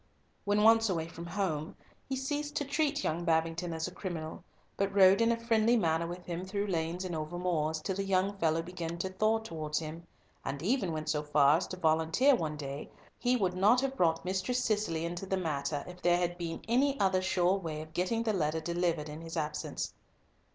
When once away from home, he ceased to treat young Babington as a criminal, but rode in a friendly manner with him through lanes and over moors, till the young fellow began to thaw towards him, and even went so far as to volunteer one day that he would not have brought Mistress Cicely into the matter if there had been any other sure way of getting the letter delivered in his absence.